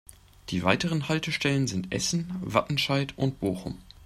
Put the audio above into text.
Die weiteren Haltestellen sind Essen, Wattenscheid und Bochum.